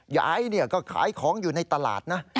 ยายก็ขายของอยู่ในตลาดนะ